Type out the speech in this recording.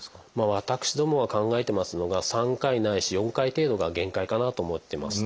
私どもが考えてますのが３回ないし４回程度が限界かなと思ってます。